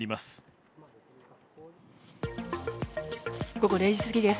午後０時過ぎです。